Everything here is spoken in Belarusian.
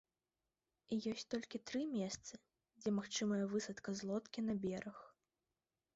Ёсць толькі тры месцы, дзе магчымая высадка з лодкі на бераг.